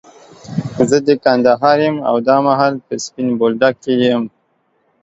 زه د کندهار يم، او دا مهال په سپين بولدک کي يم.